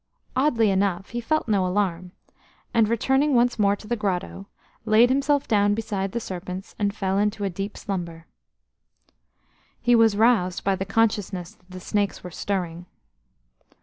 Oddly enough, he felt no alarm, and, returning once more to the grotto, laid himself down beside the serpents and fell into a deep slumber. He was roused by the consciousness that the snakes were stirring.